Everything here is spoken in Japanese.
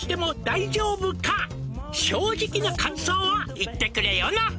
「正直な感想を言ってくれよな」